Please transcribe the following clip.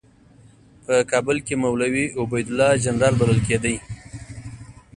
په کابل کې مولوي عبیدالله جنرال بلل کېده.